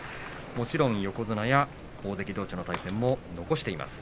もちろん、横綱や大関どうしの対戦も残しています。